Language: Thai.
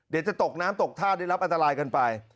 เดี๋ยวจะตกน้ำตกท่าได้รับอันตรายกันไป